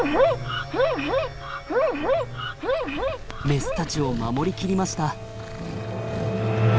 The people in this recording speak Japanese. メスたちを守り切りました。